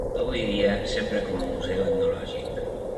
Avui dia, s'empra com a museu etnològic.